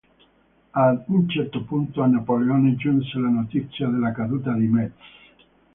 Ad u certo punto a Napoleone giunse la notizia della caduta di Metz.